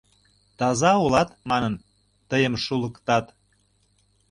Таза улат? — манын, тыйым шулыктат.